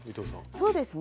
そうですね。